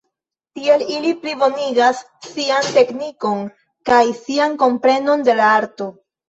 Tiel ili plibonigas sian teknikon kaj sian komprenon de la arto.